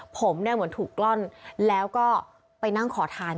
ผมเหมือนถูกกล้อนแล้วก็ไปนั่งขอทานอยู่